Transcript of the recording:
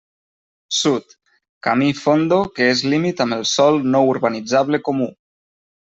Sud: camí Fondo que és límit amb el sòl no urbanitzable comú.